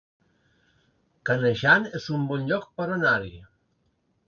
Canejan es un bon lloc per anar-hi